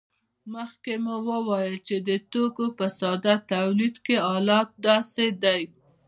مخکې مو وویل چې د توکو په ساده تولید کې حالت داسې دی